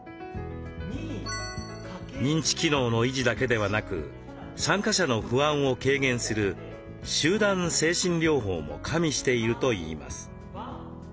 認知機能の維持だけではなく参加者の不安を軽減する集団精神療法も加味しているといいます。